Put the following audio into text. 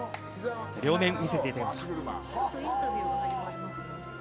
両面見せていただけますか。